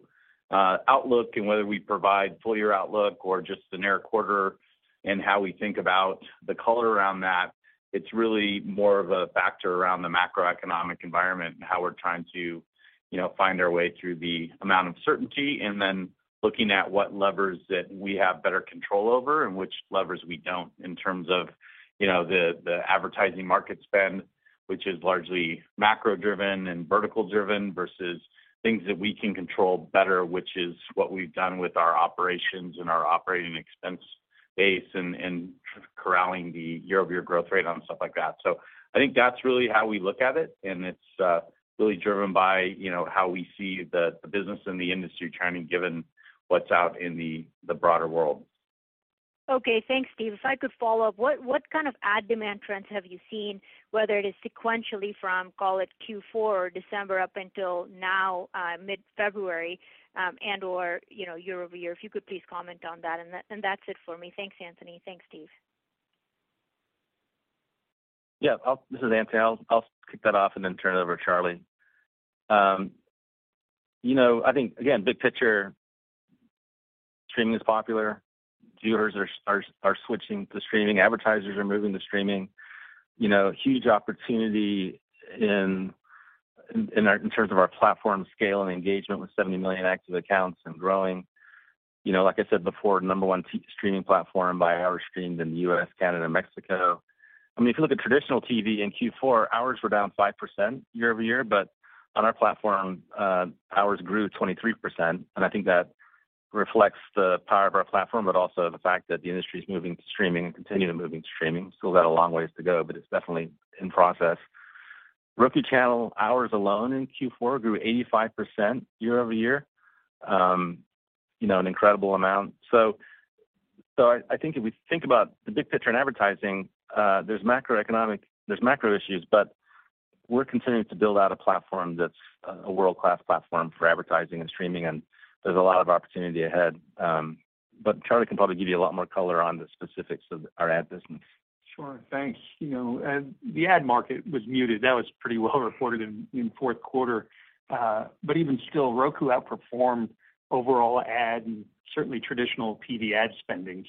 [SPEAKER 4] outlook and whether we provide full year outlook or just the near quarter and how we think about the color around that, it's really more of a factor around the macroeconomic environment and how we're trying to, you know, find our way through the amount of certainty. Looking at what levers that we have better control over and which levers we don't in terms of, you know, the advertising market spend, which is largely macro-driven and vertical-driven, versus things that we can control better, which is what we've done with our operations and our operating expense base and corralling the year-over-year growth rate on stuff like that. I think that's really how we look at it, and it's really driven by, you know, how we see the business and the industry trending given what's out in the broader world.
[SPEAKER 13] Okay. Thanks, Steve. If I could follow up, what kind of ad demand trends have you seen, whether it is sequentially from, call it Q4 or December up until now, mid-February, and/or, you know, year-over-year? If you could please comment on that. That's it for me. Thanks, Anthony. Thanks, Steve.
[SPEAKER 3] This is Anthony. I'll kick that off and then turn it over to Charlie. You know, I think again, big picture, streaming is popular. Viewers are switching to streaming. Advertisers are moving to streaming. You know, huge opportunity in terms of our platform scale and engagement with 70 million active accounts and growing. You know, like I said before, number one streaming platform by hours streamed in the U.S., Canada, and Mexico. I mean, if you look at traditional TV in Q4, hours were down 5% year-over-year. On our platform, hours grew 23%. I think that reflects the power of our platform, but also the fact that the industry is moving to streaming and continuing moving to streaming. Still got a long ways to go, but it's definitely in process. Roku Channel hours alone in Q4 grew 85% year-over-year. You know, an incredible amount. I think if we think about the big picture in advertising, there's macro issues, but we're continuing to build out a platform that's a world-class platform for advertising and streaming, and there's a lot of opportunity ahead. Charlie can probably give you a lot more color on the specifics of our ad business.
[SPEAKER 6] Sure. Thanks. You know, the ad market was muted. That was pretty well reported in fourth quarter. Even still, Roku outperformed overall ad and certainly traditional TV ad spending.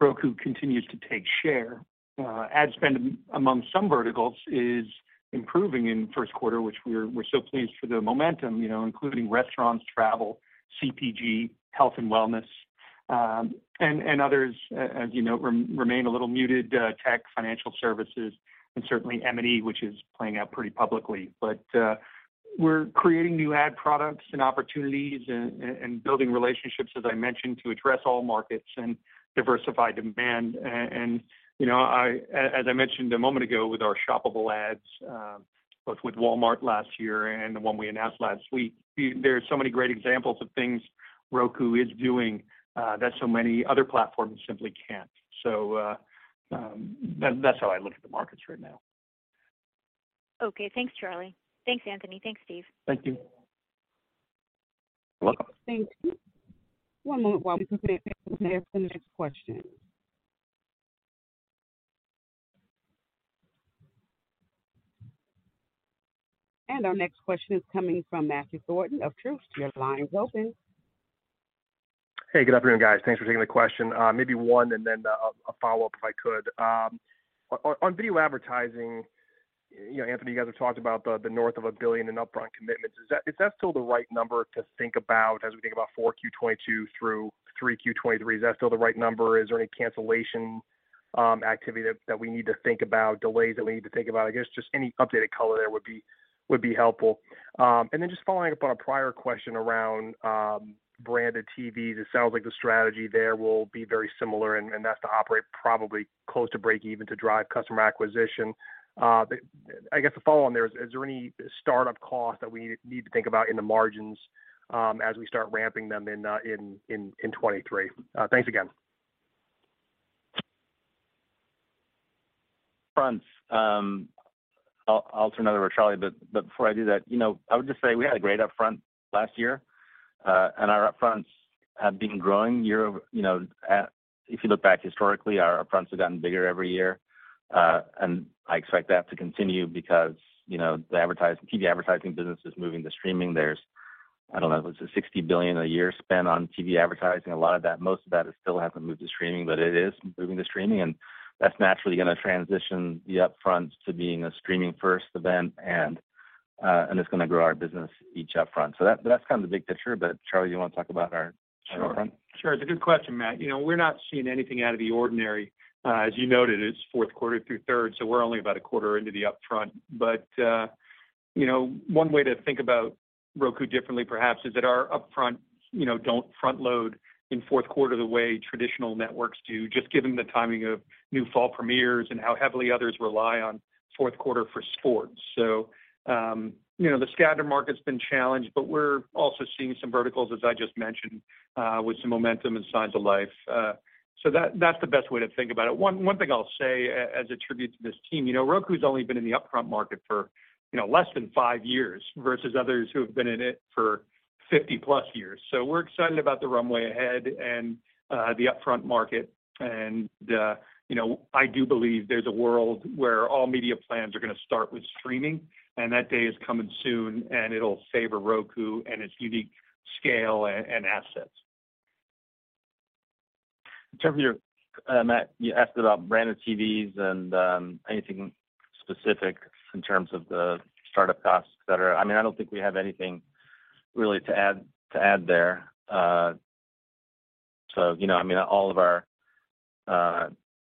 [SPEAKER 6] Roku continues to take share. Ad spend among some verticals is improving in first quarter, which we're so pleased for the momentum, you know, including restaurants, travel, CPG, health and wellness, and others, as you know, remain a little muted, tech, financial services, and certainly M&E, which is playing out pretty publicly. We're creating new ad products and opportunities and building relationships, as I mentioned, to address all markets and diversify demand. You know, I... as I mentioned a moment ago with our shoppable ads, both with Walmart last year and the one we announced last week, there are so many great examples of things Roku is doing, that so many other platforms simply can't. That's how I look at the markets right now.
[SPEAKER 13] Okay. Thanks, Charlie. Thanks, Anthony. Thanks, Steve.
[SPEAKER 6] Thank you.
[SPEAKER 3] Welcome.
[SPEAKER 1] Thanks. One moment while we prepare for the next question. Our next question is coming from Matthew Thornton of Truist. Your line is open.
[SPEAKER 14] Hey, good afternoon, guys. Thanks for taking the question. Maybe one and then a follow-up, if I could. On video advertising, you know, Anthony, you guys have talked about the north of $1 billion in upfront commitments. Is that still the right number to think about as we think about 4Q 2022 through 3Q 2023? Is that still the right number? Is there any cancellation activity that we need to think about, delays that we need to think about? I guess just any updated color there would be helpful. Just following up on a prior question around branded TVs. It sounds like the strategy there will be very similar, and that's to operate probably close to breakeven to drive customer acquisition. I guess the follow on there is there any startup cost that we need to think about in the margins, as we start ramping them in 23? Thanks again.
[SPEAKER 3] Fronts. I'll turn it over to Charlie, before I do that, you know, I would just say we had a great upfront last year. Our upfronts have been growing year over, you know, if you look back historically, our upfronts have gotten bigger every year. I expect that to continue because, you know, the TV advertising business is moving to streaming. There's, I don't know, what's it $60 billion a year spent on TV advertising. A lot of that, most of that still hasn't moved to streaming. It is moving to streaming, that's naturally gonna transition the upfronts to being a streaming-first event. It's gonna grow our business each upfront. That's kind of the big picture. Charlie, you wanna talk about our-
[SPEAKER 6] Sure
[SPEAKER 3] our upfront?
[SPEAKER 6] Sure. It's a good question, Matt. You know, we're not seeing anything out of the ordinary. As you noted, it's fourth quarter through third, we're only about a quarter into the upfront. You know, one way to think about Roku differently perhaps is that our upfront, you know, don't front load in fourth quarter the way traditional networks do, just given the timing of new fall premieres and how heavily others rely on fourth quarter for sports. You know, the scatter market's been challenged, we're also seeing some verticals, as I just mentioned, with some momentum and signs of life. That's the best way to think about it. One thing I'll say as a tribute to this team, you know, Roku's only been in the upfront market for, you know, less than five years versus others who have been in it for 50+ years. We're excited about the runway ahead and the upfront market. You know, I do believe there's a world where all media plans are gonna start with streaming, and that day is coming soon, and it'll favor Roku and its unique scale and assets.
[SPEAKER 3] In terms of your, Matt, you asked about branded TVs and anything specific in terms of the startup costs, et cetera. I mean, I don't think we have anything really to add there. You know, I mean, all of our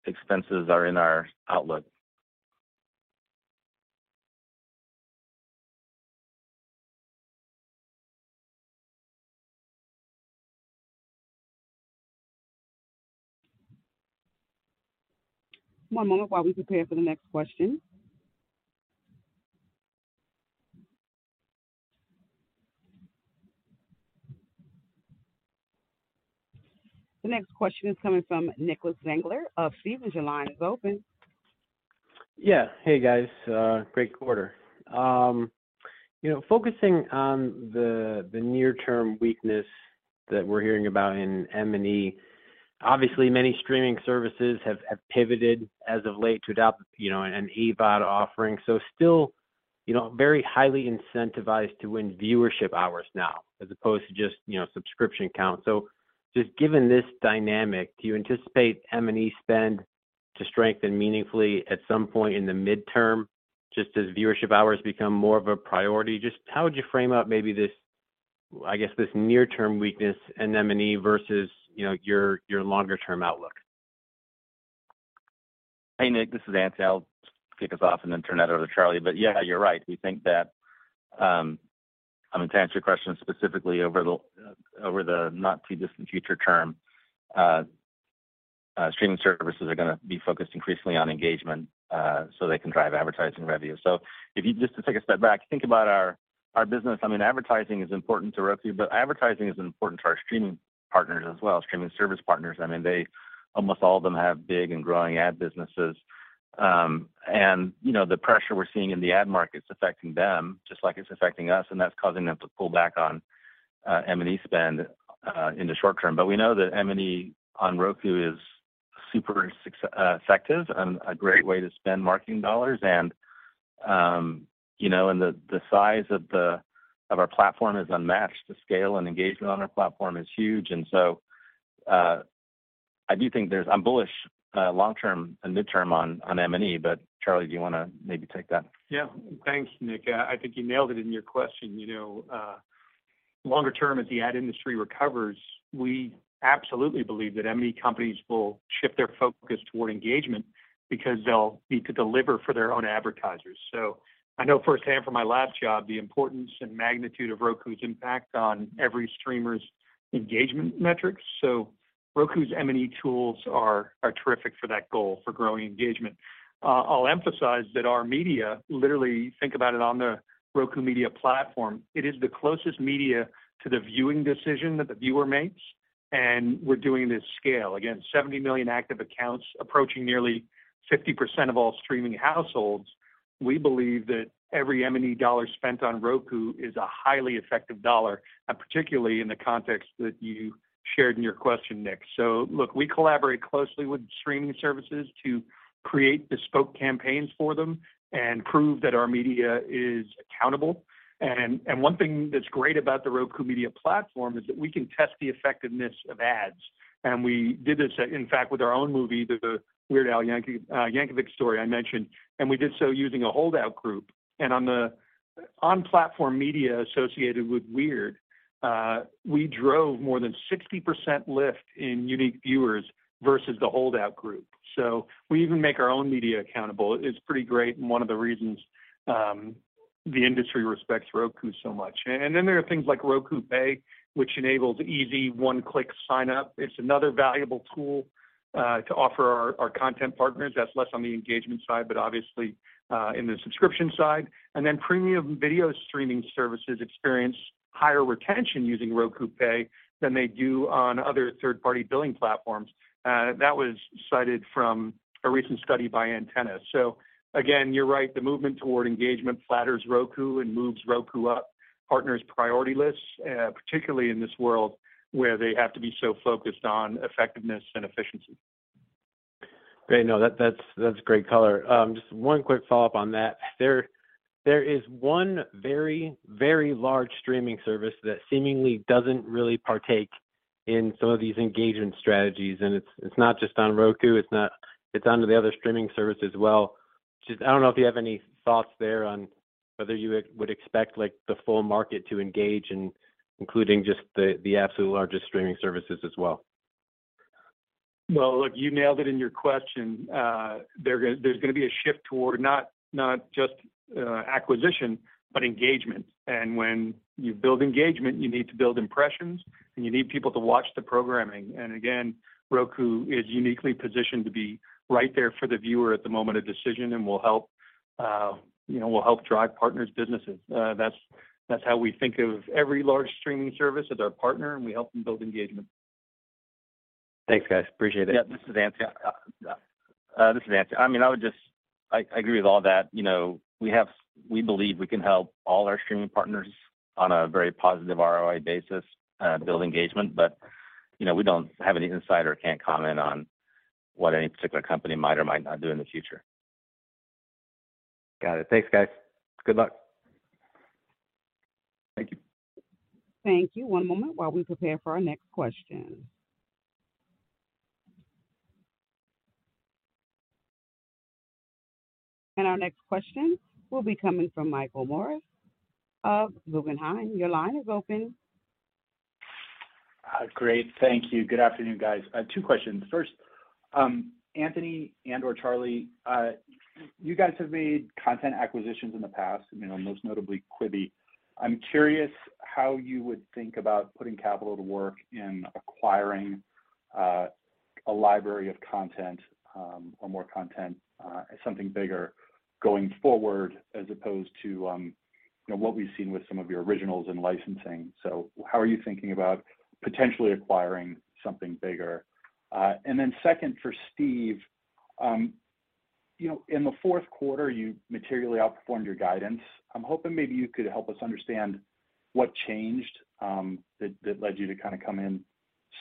[SPEAKER 3] expenses are in our outlook.
[SPEAKER 1] One moment while we prepare for the next question. The next question is coming from Nicholas Zangler of Stephens. Your line is open.
[SPEAKER 15] Yeah. Hey, guys. great quarter. you know, focusing on the near term weakness that we're hearing about in M&E, obviously many streaming services have pivoted as of late to adopt, you know, an AVOD offering. still, you know, very highly incentivized to win viewership hours now as opposed to just, you know, subscription count. just given this dynamic, do you anticipate M&E spend to strengthen meaningfully at some point in the midterm, just as viewership hours become more of a priority? Just how would you frame up maybe this, I guess, this near term weakness in M&E versus, you know, your longer term outlook?
[SPEAKER 3] Hey, Nick, this is Anthony. I'll kick us off and then turn that over to Charlie. Yeah, you're right. We think that, I mean, to answer your question specifically over the not too distant future term, streaming services are gonna be focused increasingly on engagement, so they can drive advertising revenue. If you just to take a step back, think about our business. I mean, advertising is important to Roku, but advertising is important to our streaming partners as well, streaming service partners. I mean, they, almost all of them have big and growing ad businesses. You know, the pressure we're seeing in the ad market is affecting them just like it's affecting us, and that's causing them to pull back on M&E spend in the short term. We know that M&E on Roku is super effective and a great way to spend marketing dollars. You know, the size of our platform is unmatched. The scale and engagement on our platform is huge. I'm bullish long-term and midterm on M&E. Charlie, do you wanna maybe take that?
[SPEAKER 6] Thanks, Nicholas Zangler. I think you nailed it in your question. You know, longer term, as the ad industry recovers, we absolutely believe that M&E companies will shift their focus toward engagement because they'll need to deliver for their own advertisers. I know firsthand from my last job the importance and magnitude of Roku's impact on every streamer's engagement metrics. Roku's M&E tools are terrific for that goal, for growing engagement. I'll emphasize that our media, literally think about it on the Roku Media platform, it is the closest media to the viewing decision that the viewer makes, we're doing this scale. Again, 70 million active accounts approaching nearly 50% of all streaming households. We believe that every M&E dollar spent on Roku is a highly effective dollar, particularly in the context that you shared in your question, Nicholas Zangler. Look, we collaborate closely with streaming services to create bespoke campaigns for them and prove that our media is accountable. One thing that's great about the Roku Media platform is that we can test the effectiveness of ads. We did this, in fact, with our own movie, Weird: The Al Yankovic Story I mentioned, and we did so using a holdout group. On the on-platform media associated with Weird, we drove more than 60% lift in unique viewers versus the holdout group. We even make our own media accountable. It's pretty great and one of the reasons the industry respects Roku so much. There are things like Roku Pay, which enables easy one-click sign-up. It's another valuable tool to offer our content partners. That's less on the engagement side, but obviously, in the subscription side. Premium video streaming services experience higher retention using Roku Pay than they do on other third-party billing platforms. That was cited from a recent study by Antenna. Again, you're right, the movement toward engagement flatters Roku and moves Roku up partners' priority lists, particularly in this world where they have to be so focused on effectiveness and efficiency.
[SPEAKER 15] Great. No. That's great color. Just one quick follow-up on that. There is one very, very large streaming service that seemingly doesn't really partake in some of these engagement strategies, and it's not just on Roku, it's not. It's on to the other streaming services as well. Just I don't know if you have any thoughts there on whether you would expect, like, the full market to engage, including just the absolute largest streaming services as well?
[SPEAKER 6] Well, look, you nailed it in your question. There's gonna be a shift toward not just acquisition, but engagement. When you build engagement, you need to build impressions, and you need people to watch the programming. Again, Roku is uniquely positioned to be right there for the viewer at the moment of decision and will help, you know, will help drive partners' businesses. That's how we think of every large streaming service as our partner, and we help them build engagement.
[SPEAKER 15] Thanks, guys. Appreciate it.
[SPEAKER 3] This is Anthony. I mean, I agree with all that. You know, we believe we can help all our streaming partners on a very positive ROI basis, build engagement. You know, we don't have any insight or can't comment on what any particular company might or might not do in the future.
[SPEAKER 15] Got it. Thanks, guys. Good luck.
[SPEAKER 3] Thank you.
[SPEAKER 1] Thank you. One moment while we prepare for our next question. Our next question will be coming from Michael Morris of Guggenheim. Your line is open.
[SPEAKER 16] Great. Thank you. Good afternoon, guys. Two questions. First, Anthony and/or Charlie, you guys have made content acquisitions in the past, you know, most notably Quibi. I'm curious how you would think about putting capital to work in acquiring a library of content, or more content, something bigger going forward as opposed to, you know, what we've seen with some of your originals and licensing. How are you thinking about potentially acquiring something bigger? Second, for Steve, you know, in the fourth quarter, you materially outperformed your guidance. I'm hoping maybe you could help us understand what changed that led you to kinda come in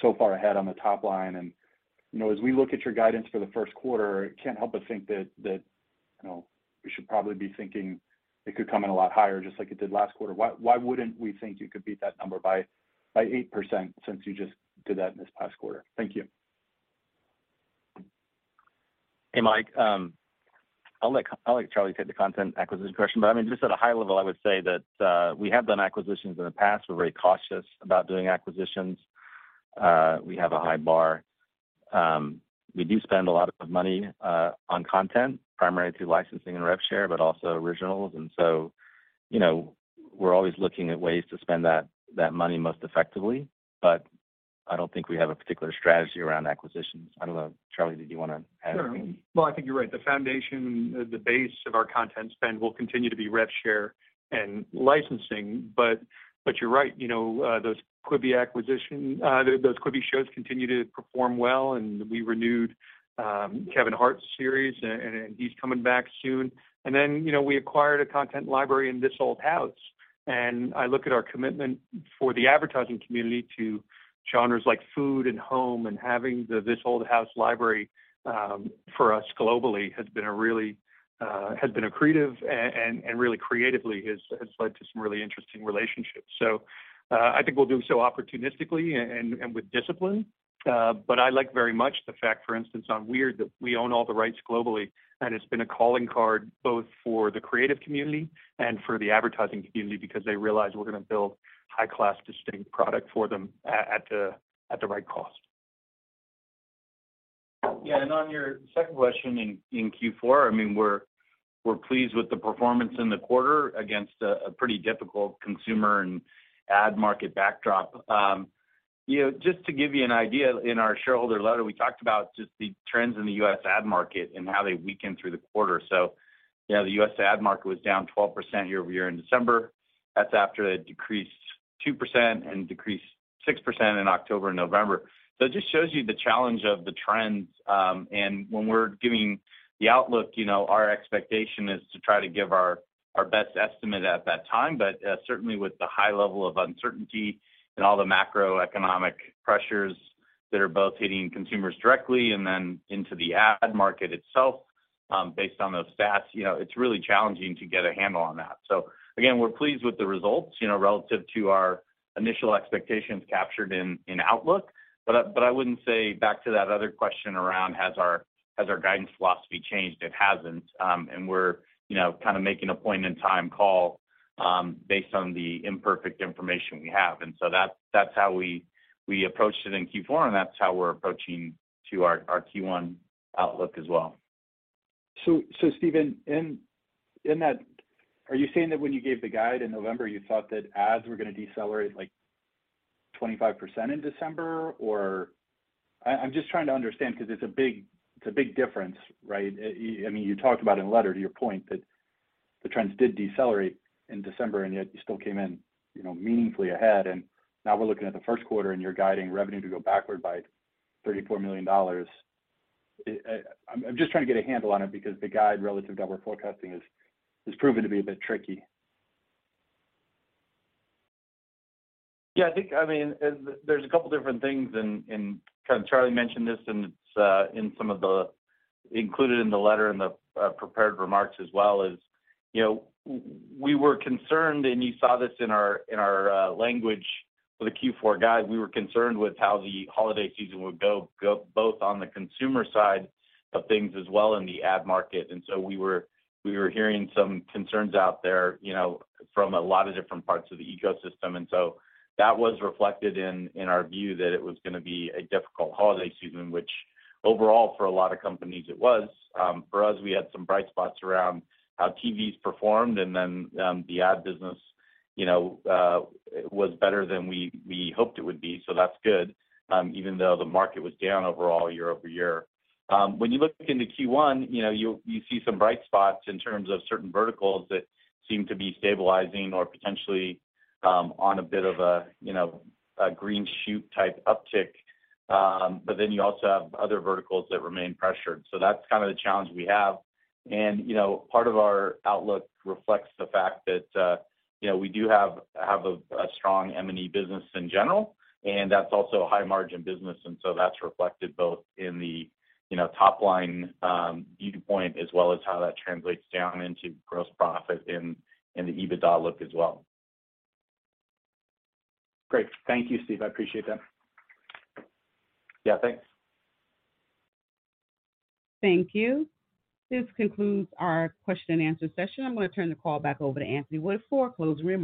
[SPEAKER 16] so far ahead on the top line. You know, as we look at your guidance for the first quarter, it can't help but think that, you know, we should probably be thinking it could come in a lot higher, just like it did last quarter. Why wouldn't we think you could beat that number by 8% since you just did that in this past quarter? Thank you.
[SPEAKER 3] Hey, Mike. I'll let Charlie take the content acquisition question. I mean, just at a high level, I would say that we have done acquisitions in the past. We're very cautious about doing acquisitions. We have a high bar. We do spend a lot of money on content, primarily through licensing and rev share, but also originals. You know, we're always looking at ways to spend that money most effectively. I don't think we have a particular strategy around acquisitions. I don't know. Charlie, did you wanna add anything?
[SPEAKER 6] Sure. Well, I think you're right. The foundation, the base of our content spend will continue to be rev share and licensing. You're right, you know, those Quibi shows continue to perform well, and we renewed Kevin Hart's series, and he's coming back soon. You know, we acquired a content library in This Old House. I look at our commitment for the advertising community to genres like food and home and having the This Old House library, for us globally has been a really, has been accretive and really creatively has led to some really interesting relationships. I think we'll do so opportunistically and with discipline. I like very much the fact, for instance, on Weird, that we own all the rights globally, and it's been a calling card both for the creative community and for the advertising community because they realize we're gonna build high-class, distinct product for them at the right cost.
[SPEAKER 4] Yeah. On your second question in Q4, I mean, we're pleased with the performance in the quarter against a pretty difficult consumer and ad market backdrop. You know, just to give you an idea, in our shareholder letter, we talked about just the trends in the U.S. ad market and how they weakened through the quarter. You know, the U.S. ad market was down 12% year-over-year in December. That's after it decreased 2% and decreased 6% in October and November. It just shows you the challenge of the trends. When we're giving the outlook, you know, our expectation is to try to give our best estimate at that time.
[SPEAKER 3] Certainly with the high level of uncertainty and all the macroeconomic pressures that are both hitting consumers directly and then into the ad market itself, based on those stats, you know, it's really challenging to get a handle on that. Again, we're pleased with the results, you know, relative to our initial expectations captured in outlook. I wouldn't say back to that other question around has our guidance philosophy changed? It hasn't. We're, you know, kinda making a point-in-time call, based on the imperfect information we have. That's how we approached it in Q4, and that's how we're approaching to our Q1 outlook as well.
[SPEAKER 16] Steven, in that-- Are you saying that when you gave the guide in November, you thought that ads were gonna decelerate, like, 25% in December? Or? I'm just trying to understand because it's a big difference, right? I mean, you talked about in the letter to your point that the trends did decelerate in December, and yet you still came in, you know, meaningfully ahead. Now we're looking at the first quarter, and you're guiding revenue to go backward by $34 million. I'm just trying to get a handle on it because the guide relative to our forecasting has proven to be a bit tricky.
[SPEAKER 4] Yeah, I think, I mean, there's a couple different things and Charlie mentioned this and it's included in the letter in the prepared remarks as well as, you know, we were concerned, and you saw this in our language for the Q4 guide. We were concerned with how the holiday season would go both on the consumer side of things as well in the ad market. We were hearing some concerns out there, you know, from a lot of different parts of the ecosystem. That was reflected in our view that it was gonna be a difficult holiday season, which overall for a lot of companies, it was. For us, we had some bright spots around how TVs performed and then the ad business, you know, was better than we hoped it would be. That's good, even though the market was down overall year-over-year. When you look into Q1, you know, you see some bright spots in terms of certain verticals that seem to be stabilizing or potentially on a bit of a, you know, a green shoot type uptick. You also have other verticals that remain pressured. That's kinda the challenge we have. You know, part of our outlook reflects the fact that, you know, we do have a strong M&E business in general, and that's also a high margin business. That's reflected both in the, you know, top line, view point as well as how that translates down into gross profit and the EBITDA look as well.
[SPEAKER 16] Great. Thank you, Steve. I appreciate that.
[SPEAKER 4] Yeah, thanks.
[SPEAKER 1] Thank you. This concludes our question and answer session. I'm gonna turn the call back over to Anthony Wood for closing remarks.